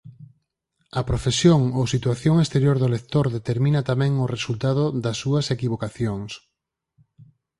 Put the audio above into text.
A profesión ou situación exterior do lector determina tamén o resultado das súas equivocacións.